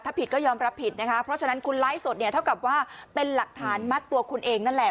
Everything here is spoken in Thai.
ถ้าผิดก็ยอมรับผิดนะคะเพราะฉะนั้นคุณไลฟ์สดเนี่ยเท่ากับว่าเป็นหลักฐานมัดตัวคุณเองนั่นแหละ